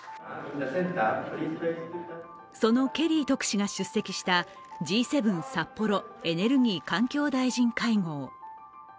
そのケリー特使が出席したＧ７札幌＝エネルギー・環境大臣会合。